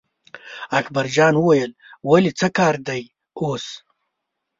اکبرجان وویل ولې څه کار دی اوس.